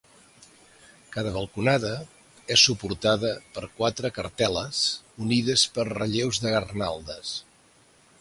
Cada balconada és suportada per quatre cartel·les unides per relleus de garlandes.